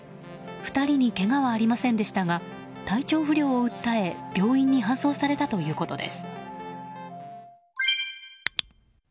２人にけがはありませんでしたが体調不良を訴え病院に搬送されたということです。